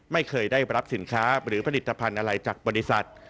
ไม่เคยได้รับสินค้าหรือผลิตภัณฑ์อะไรจากบริษัท